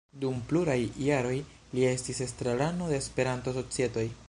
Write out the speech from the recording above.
Dum pluraj jaroj li estis estrarano de Esperanto-societoj.